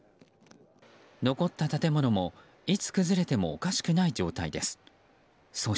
残った建物もいつ崩れてもおかしくない状態です。